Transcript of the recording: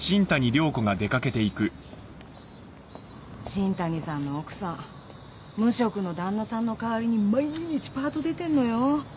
新谷さんの奥さん無職の旦那さんの代わりに毎日パート出てんのよ。